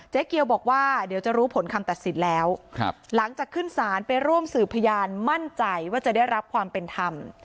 เกียวบอกว่าเดี๋ยวจะรู้ผลคำตัดสินแล้วหลังจากขึ้นศาลไปร่วมสืบพยานมั่นใจว่าจะได้รับความเป็นธรรม